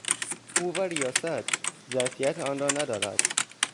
او و ریاست! ظرفیت آن را ندارد.